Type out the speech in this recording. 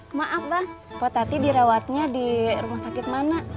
eh maaf bang potati dirawatnya di rumah sakit mana